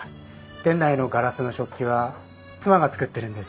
店内のガラスの食器は妻が作ってるんです。